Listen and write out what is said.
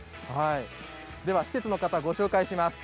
施設の方をご紹介します。